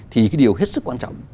thì cái điều hết sức quan trọng